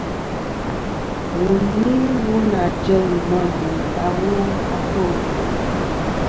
Wu ni wu nà jel môm wì awo a tô.